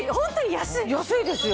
安いですよ。